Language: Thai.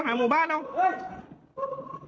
โหหาหมู่บ้านแล้ว